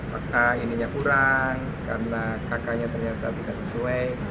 maka ininya kurang karena kakaknya ternyata tidak sesuai